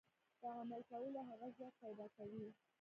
د عمل کولو هغه ځواک پيدا کوي.